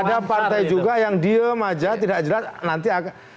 ada partai juga yang diem aja tidak jelas nanti akan